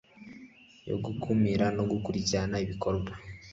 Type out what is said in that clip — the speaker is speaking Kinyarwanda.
yo gukumira no gukurikirana ibikorwa